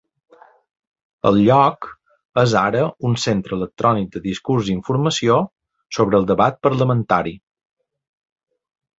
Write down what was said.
El lloc és ara un centre electrònic de discurs i informació sobre el debat parlamentari.